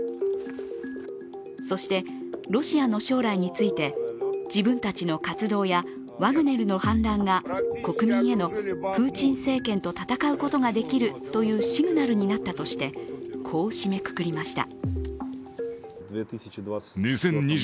そしてロシアの将来について自分たちの活動やワグネルの反乱が国民へのプーチン政権と戦うことができるというシグナルになったとしてこう締めくくりました。